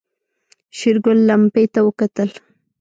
شېرګل لمپې ته وکتل.